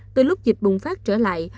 từ lúc dịch bùng phát trở lại